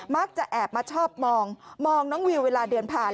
จะแอบมาชอบมองมองน้องวิวเวลาเดินผ่าน